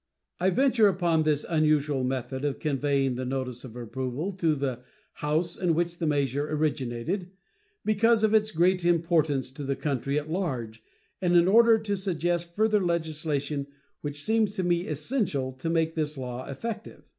I venture upon this unusual method of conveying the notice of approval to the "House in which the measure originated" because of its great importance to the country at large and in order to suggest further legislation which seems to me essential to make this law effective.